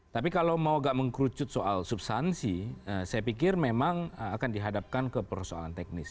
tapi kalau mau gak mengkerucut soal substansi saya pikir memang akan dihadapkan ke persoalan teknis